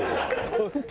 本当？